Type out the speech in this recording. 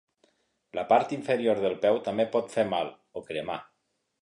La part inferior del peu també pot fer mal o cremar.